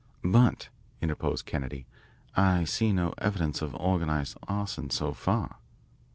"But," interposed Kennedy, "I see no evidence of organised arson so far."